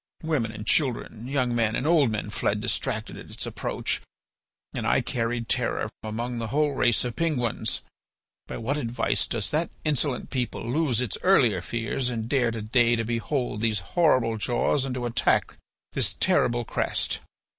Women and children, young men and old men fled distracted at its approach, and I carried terror among the whole race of Penguins. By what advice does that insolent people lose its earlier fears and dare to day to behold these horrible jaws and to attack this terrible crest?"